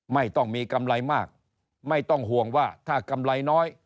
ไม่ต้องมีกำไรมากไม่ต้องห่วงว่าถ้ากำไรน้อย